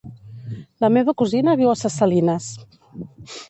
La meva cosina viu a Ses Salines.